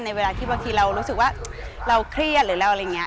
เวลาที่บางทีเรารู้สึกว่าเราเครียดหรือเราอะไรอย่างนี้